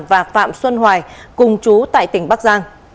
và phạm xuân hoài cùng chú tại tỉnh bắc giang